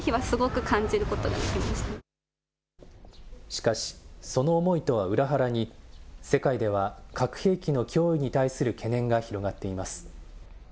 しかし、その思いとは裏腹に、世界では核兵器の脅威に対する懸念が広がっています。